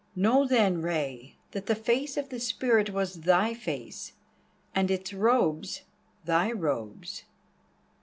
Know then, Rei, that the face of the spirit was thy face, and its robes thy robes."